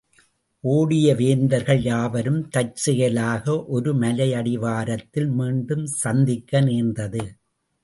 ஒடிய வேந்தர்கள் யாவரும் தற்செயலாக ஒரு மலையடிவாரத்தில் மீண்டும் சந்திக்க நேர்ந்தது.